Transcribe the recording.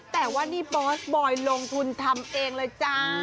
แต่ว่านี่บอสบอยลงทุนทำเองเลยจ้า